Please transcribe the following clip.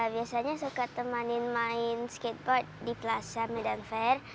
biasanya suka temanin main skateboard di plaza medan fair